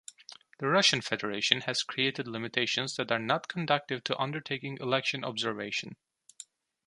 "The Russian Federation has created limitations that are not conducive to undertaking election observation".